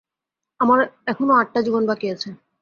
আমার এখনও আটটা জীবন বাকি আছে।